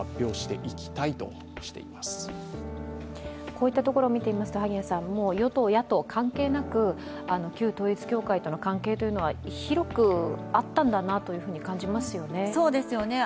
こういったところを見てみますと、与党、野党関係なく旧統一教会との関係というのは広くあったんだなというふうに感じますよね。